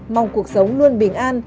mong cuộc sống luôn bình an